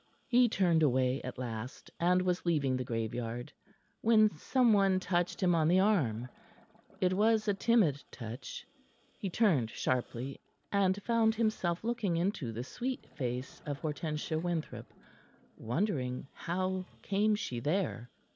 He turned away at last, and was leaving the graveyard, when some one touched him on the arm. It was a timid touch. He turned sharply, and found himself looking into the sweet face of Hortensia Winthrop, wondering how came she there.